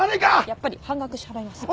やっぱり半額支払います。